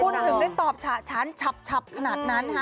คุณถึงได้ตอบฉะชั้นฉับขนาดนั้นฮะ